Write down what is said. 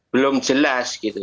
belum jelas gitu